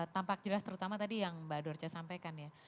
tampak jelas terutama tadi yang mbak dorca sampaikan ya